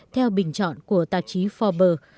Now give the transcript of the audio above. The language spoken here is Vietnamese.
theo bình chọn của tạp chí forbes